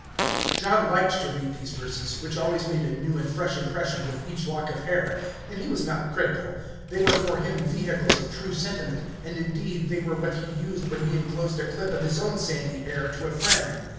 John liked to read these verses, which always made a new and fresh impression with each lock of hair, and he was not critical; they were for him vehicles of true sentiment, and indeed they were what he used when he inclosed a clip of his own sandy hair to a friend.